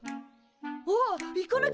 あっ行かなきゃ！